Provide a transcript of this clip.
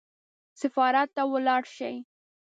سفارت ته ولاړ شي.